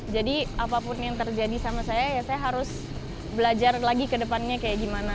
jadi apapun yang terjadi sama saya ya saya harus belajar lagi ke depannya kayak gimana